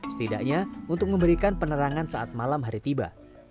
setidaknya untuk memberikan penerangan saat malam hari tiba